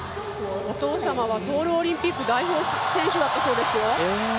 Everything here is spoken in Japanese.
お父様はソウルオリンピック代表選手だったそうですよ。